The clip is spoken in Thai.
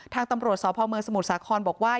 ทางตำรวจสพสมุทรสาขนบอกว่า